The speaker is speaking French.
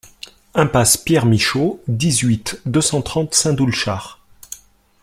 Impasse Pierre Michot, dix-huit, deux cent trente Saint-Doulchard